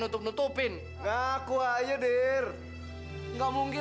demi kasih saya ini